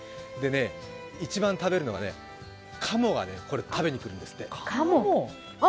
一番食べるのが鴨が食べに来るんですって。